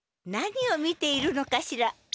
何を見ているのかしら？